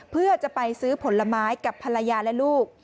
เพื่อจะไปซื้อผลไม้กับภรรยาและลูก